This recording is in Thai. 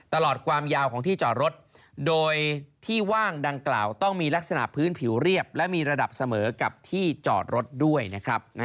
ตลอดความยาวของที่จอดรถโดยที่ว่างดังกล่าวต้องมีลักษณะพื้นผิวเรียบและมีระดับเสมอกับที่จอดรถด้วยนะครับ